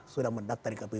sudah mendaftar ke kpu